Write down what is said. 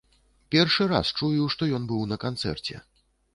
Першы раз чую, што ён быў на канцэрце.